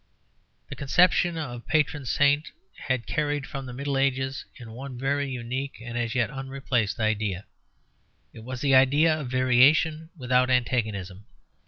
The conception of a patron saint had carried from the Middle Ages one very unique and as yet unreplaced idea. It was the idea of variation without antagonism.